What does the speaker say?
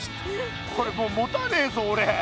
これもうもたなねえぞおれ！